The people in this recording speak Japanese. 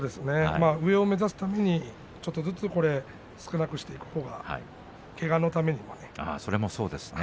上を目指すためにちょっとずつ少なくしていくほうがけがのためにもね。